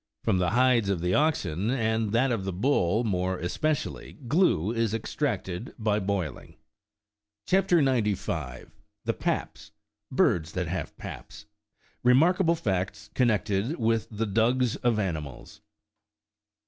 From the hides of oxen, and that of the bull more especially, glue is extracted by boiling. CHAP. 95. THE PAPS : BIRDS THAT HAVE PAPS. REMARKABLE PACTS CONNECTED WITH THE DUGS OF ANIMALS.